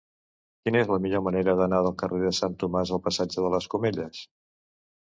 Quina és la millor manera d'anar del carrer de Sant Tomàs al passatge de les Camèlies?